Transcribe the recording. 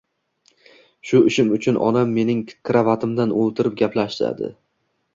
shu ishim uchun onam mening krovatimda o‘tirib, gaplashadi